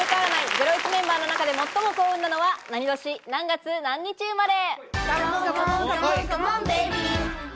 ゼロイチメンバーの中で最も幸運なのは何年何月何日生まれ？